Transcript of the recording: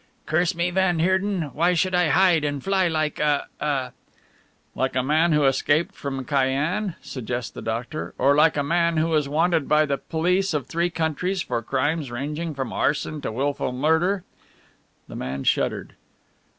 "Curse me, van Heerden, why should I hide and fly like a a " "Like a man who escaped from Cayenne," suggested the doctor, "or like a man who is wanted by the police of three countries for crimes ranging from arson to wilful murder." The man shuddered.